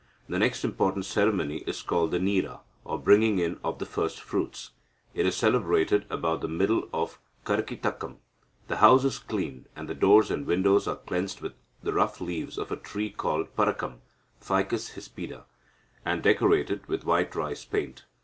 The next important ceremony is called the Nira, or bringing in of the first fruits. It is celebrated about the middle of Karkitakam. The house is cleaned, and the doors and windows are cleansed with the rough leaves of a tree called parakam (Ficus hispida), and decorated with white rice paint.